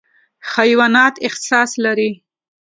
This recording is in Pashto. حیوانات احساس لري.